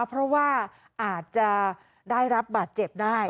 เพราะว่าอาจจะได้รับบาดเจ็บได้